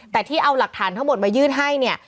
แต่ที่เอาหลักฐานทั้งหมดมายื่นให้เนี่ย